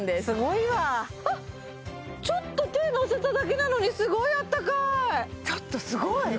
すごいわあっちょっと手乗せただけなのにすごいあったかいちょっとすごい！